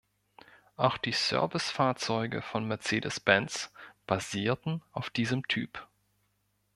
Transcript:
Auch die Service-Fahrzeuge von Mercedes-Benz basierten auf diesem Typ.